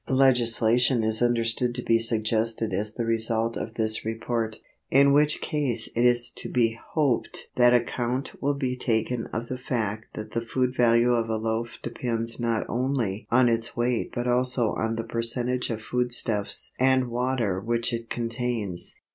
Legislation is understood to be suggested as the result of this report, in which case it is to be hoped that account will be taken of the fact that the food value of a loaf depends not only on its weight but also on the percentage of foodstuffs and water which it contains.